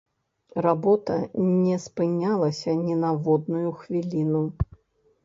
Работа не спынялася ні на водную хвіліну.